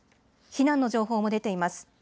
避難の情報も出ています。